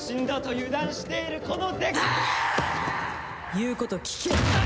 言うこと聞け！